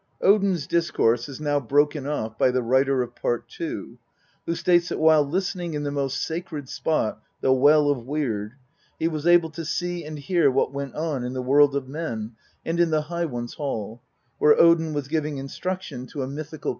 Odin's discourse is now broken off by the writer of Part II., who states that while listening in the most sacred spot, the Well of Weird, he was able to see and near what went on in the world of men and in the High One's hall, where Odin was giving instruction to a mythical ' Mr. A.